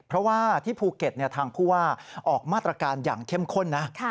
เพราะว่าที่ภูเก็ตทางผู้ว่าออกมาตรการอย่างเข้มข้นนะ